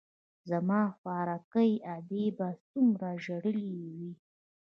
زما خواركۍ ادې به څومره ژړلي وي.